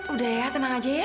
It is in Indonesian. udah ya tenang aja ya